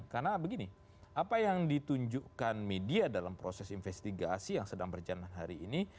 karena begini apa yang ditunjukkan media dalam proses investigasi yang sedang berjalan hari ini